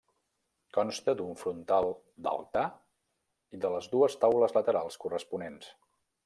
Consta d'un frontal d'altar i de les dues taules laterals corresponents.